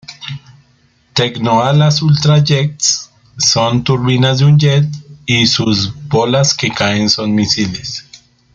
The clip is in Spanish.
Tecno-Alas=Ultra-Jet´s: Son turbinas de un Jet, y sus bolas que caen son misiles.